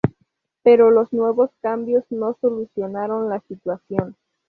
Pero los nuevos cambios no solucionaron la situación.